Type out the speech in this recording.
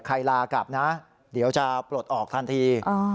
ลากลับนะเดี๋ยวจะปลดออกทันที